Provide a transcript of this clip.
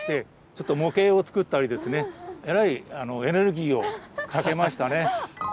えらいエネルギーをかけましたね。